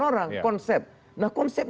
orang konsep nah konsep